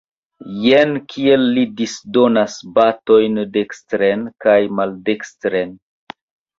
Jen kiel li disdonas batojn dekstren kaj maldekstren!